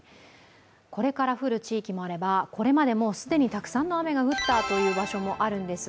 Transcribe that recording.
これから降る地域もあれば、これまで既にたくさんの雨が降った場所もあるんです。